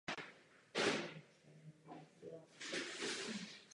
Posun ve frekvenci alel přitom nemá nic společného s vlastnostmi či projevy daného znaku.